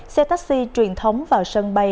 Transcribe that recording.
xe taxi truyền thống vào sân bay